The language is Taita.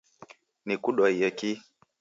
Nikudwaiye kii